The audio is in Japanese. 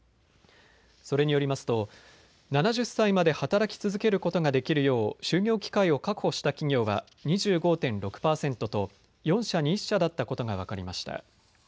それによりますと７０歳まで働き続けることができるよう就業機会を確保した企業は２５．６％と４社に１社だったことが分かりました。